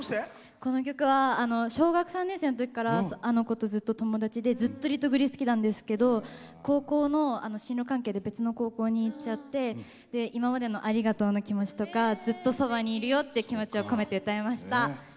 この曲は小学３年生のときからあの子とずっと友達でずっとリトグリ好きなんですけど高校の進路の関係で別の高校に行っちゃって今までのありがとうの気持ちとかずっとそばにいるよって気持ちを込めて歌いました。